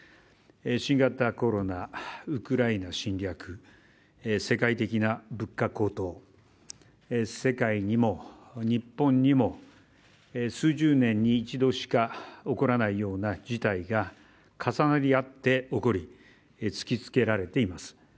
新型コロナ、ウクライナ侵略、世界的な物価高騰、世界にも、日本にも数十年に一度しか起こらないような事態が重なり合って起こる、突きつけられています。